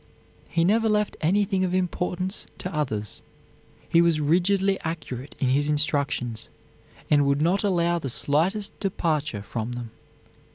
He never left anything of importance to others. He was rigidly accurate in his instructions, and would not allow the slightest departure from them.